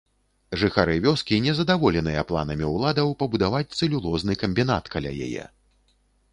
Жыхары вёскі незадаволеныя планамі ўладаў пабудаваць цэлюлозны камбінат каля яе.